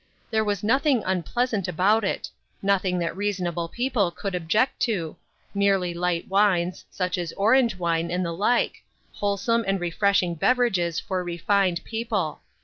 There was nothing unpleasant about it ; nothing that reasonable people could object to ; merely light wines, such as orange wine and the like — whole some and refreshing beverages for refined people.